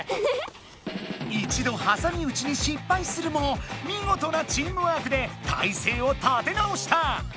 一度はさみうちに失敗するもみごとなチームワークで体勢を立て直した。